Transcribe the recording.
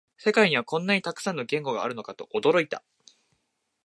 世界にはこんなにたくさんの言語があるのかと驚いた